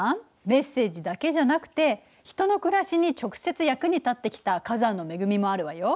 メッセージだけじゃなくて人の暮らしに直接役に立ってきた火山の恵みもあるわよ。